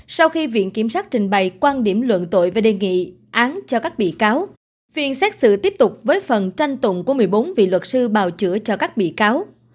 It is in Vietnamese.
sau khi viện kiểm sát trình bày quan điểm luận tội và đề nghị án cho các bị cáo phiên xét xử tiếp tục với phần tranh tụng của một mươi bốn vị luật sư bào chữa cho các bị cáo